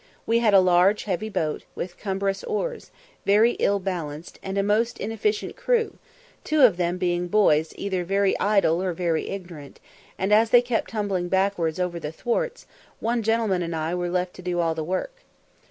We had a large heavy boat, with cumbrous oars, very ill balanced, and a most inefficient crew, two of them being boys either very idle or very ignorant, and, as they kept tumbling backwards over the thwarts, one gentleman and I were left to do all the work.